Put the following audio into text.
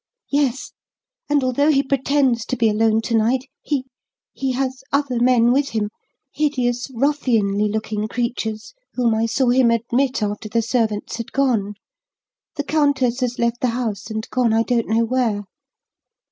"Yes; and, although he pretends to be alone to night, he he has other men with him, hideous, ruffianly looking creatures, whom I saw him admit after the servants had gone. The countess has left the house and gone I don't know where."